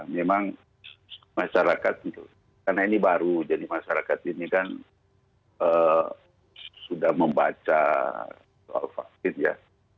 memang masyarakat karena ini baru jadi masyarakat ini kan sudah membaca soal vaksin ya